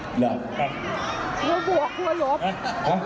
ตะบวกหัวหลวบ